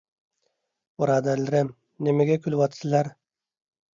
بۇرادەرلىرىم، نېمىگە كۈلۈۋاتىسىلەر؟